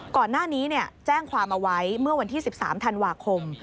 ก่อนหน้านี้แจ้งความเอาไว้เมื่อวันที่๑๓ธันวาคม